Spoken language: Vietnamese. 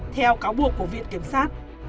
theo cáo buộc của viện kiểm sát